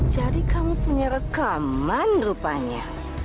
jadi kamu punya rekaman rupanya